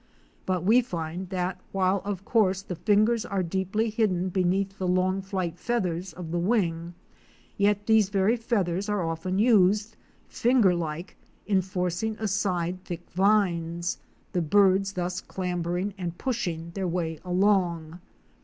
But we find that while, of course, the fingers are deeply hidden beneath the long flight feathers of the wing, yet these very feathers are often uscd, fingerlike, in forcing aside thick vines, the birds thus clambering and push ing their way along.